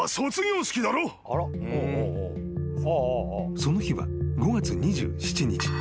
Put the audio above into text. ［その日は５月２７日。